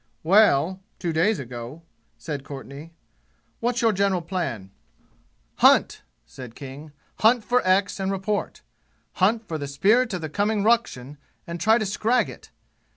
"Well two days ago," said Courtenay. "What's your general plan?" "Hunt!" said King. "Hunt for x and report. Hunt for the spirit of the coming ruction and try to scrag it!